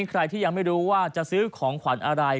ใครที่ยังไม่รู้ว่าจะซื้อของขวัญอะไร